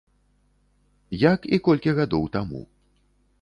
Як і колькі гадоў таму.